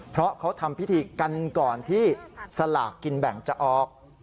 เพราะเขาทำพิธีกันก่อนที่สลากกินแบ่งจะออก